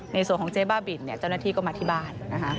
ในส่วนของเจ๊บ้าบินเจ้าหน้าที่ก็มาที่บ้านนะคะ